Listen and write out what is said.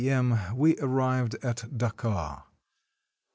m., we arrived at Dakar.